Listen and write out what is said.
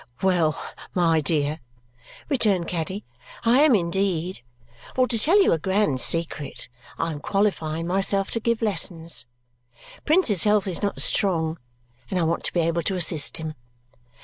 "Well, my dear," returned Caddy, "I am indeed, for to tell you a grand secret, I am qualifying myself to give lessons. Prince's health is not strong, and I want to be able to assist him.